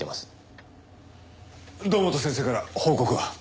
堂本先生から報告は？